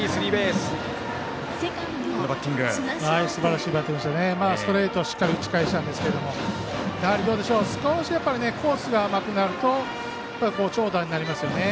ストレートをしっかり打ち返したんですけど少しコースが甘くなると長打になりますよね。